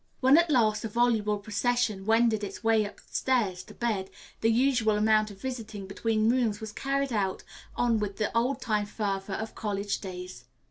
When at last a voluble procession wended its way upstairs to bed, the usual amount of visiting between rooms was carried on with the old time fervor of college days.